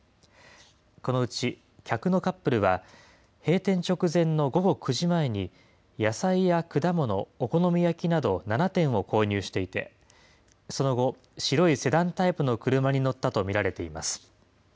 このうち客のカップルは、閉店直前の午後９時前に、野菜や果物、お好み焼きなど７点を購入していて、その後、白いセダンタイプの車に乗ったと見られています。